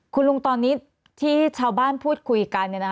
คุณลุงตอนนี้ที่ชาวบ้านพูดคุยกัน